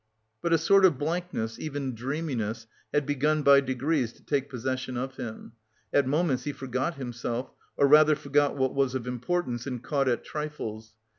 But a sort of blankness, even dreaminess, had begun by degrees to take possession of him; at moments he forgot himself, or rather, forgot what was of importance, and caught at trifles.